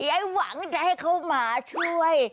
ไอ้หวังจะให้เขามาช่วย